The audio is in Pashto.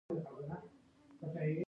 توپک د ویرو لامل دی.